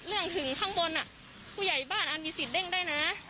เรื่องถึงข้างบนผู้ใหญ่บ้านอาจมีสิทธิ์เด้งได้นะ